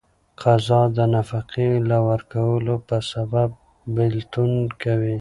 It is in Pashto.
قضا د نفقې نه ورکولو په سبب بيلتون کوي.